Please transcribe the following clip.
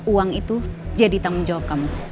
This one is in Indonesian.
uang itu jadi tanggung jawab kamu